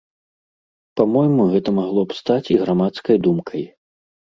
Па-мойму, гэта магло б стаць і грамадскай думкай.